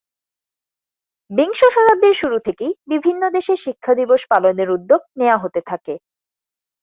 বিংশ শতাব্দীর শুরু থেকেই বিভিন্ন দেশে শিক্ষা দিবস পালনের উদ্যোগ নেয়া হতে থাকে।